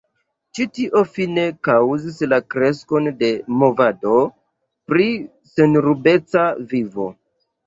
Ĉi tio fine kaŭzis la kreskon de movado pri senrubeca vivo.